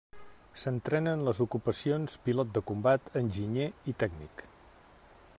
S'entrena en les ocupacions pilot de combat, enginyer i tècnic.